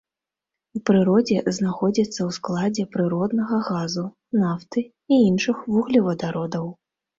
У прыродзе знаходзіцца ў складзе прыроднага газу, нафты і іншых вуглевадародаў.